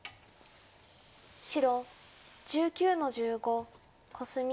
白１９の十五コスミ。